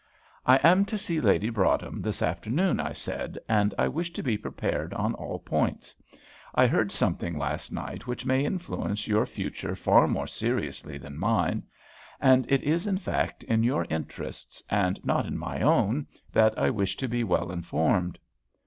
"I am to see Lady Broadhem this afternoon," I said, "and I wish to be prepared on all points. I heard something last night which may influence your future far more seriously than mine; and it is in fact in your interests, and not in my own, that I wish to be well informed."